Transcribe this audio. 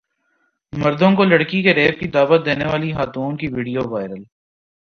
مردوں کو لڑکی کے ریپ کی دعوت دینے والی خاتون کی ویڈیو وائرل